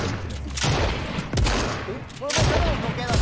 これは、ただの時計なの。